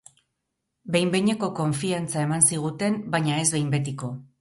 Behin-behinean konfiantza eman ziguten, baina ez behin betiko.